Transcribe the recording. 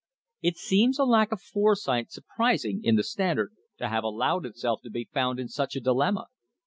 It seems a lack of foresight surprising in the Standard to have allowed itself to be found in such a dilemma.